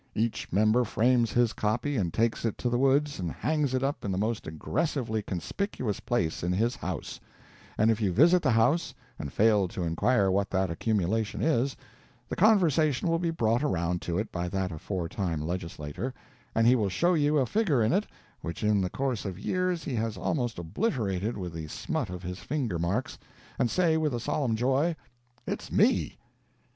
Each member frames his copy and takes it to the woods and hangs it up in the most aggressively conspicuous place in his house; and if you visit the house and fail to inquire what that accumulation is, the conversation will be brought around to it by that aforetime legislator, and he will show you a figure in it which in the course of years he has almost obliterated with the smut of his finger marks, and say with a solemn joy, "It's me!"